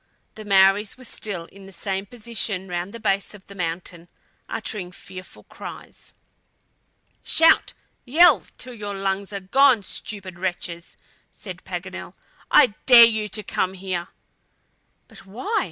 The Maories were still in the same position round the base of the mountain, uttering fearful cries. "Shout! yell! till your lungs are gone, stupid wretches!" said Paganel. "I dare you to come here!" "But why?"